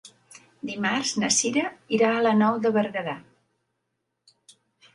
Dimarts na Sira irà a la Nou de Berguedà.